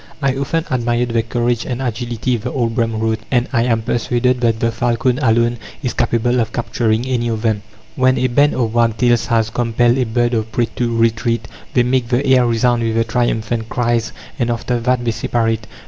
"I often admired their courage and agility," the old Brehm wrote, "and I am persuaded that the falcon alone is capable of capturing any of them.... When a band of wagtails has compelled a bird of prey to retreat, they make the air resound with their triumphant cries, and after that they separate."